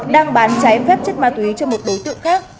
đang bán trái phép chất ma túy cho một đối tượng khác